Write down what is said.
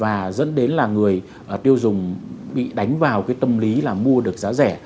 và dẫn đến là người tiêu dùng bị đánh vào cái tâm lý là mua được giá rẻ